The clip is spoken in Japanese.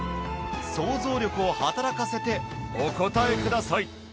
想像力を働かせてお答えください